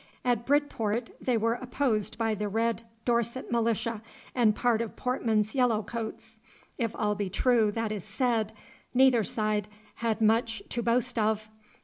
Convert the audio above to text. At Bridport they were opposed by the red Dorset militia and part of Portman's yellow coats. If all be true that is said, neither side had much to boast of.